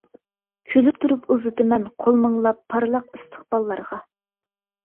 كۈلۈپ تۇرۇپ ئۇزىتىمەن قول مىڭلاپ پارلاق ئىستىقباللارغا.